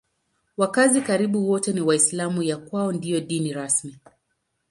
Wakazi karibu wote ni Waislamu; ya kwao ndiyo dini rasmi.